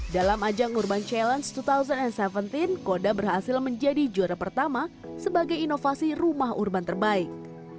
dalam ajang urban challenge dua ribu tujuh belas koda berhasil menjadi juara pertama sebagai inovasi rumah urban terbaik